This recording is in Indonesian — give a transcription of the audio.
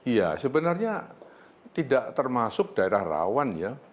ya sebenarnya tidak termasuk daerah rawan ya